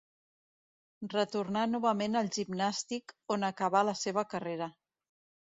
Retornà novament al Gimnàstic on acabà la seva carrera.